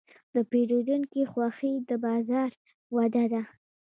د پیرودونکي خوښي د بازار وده ده.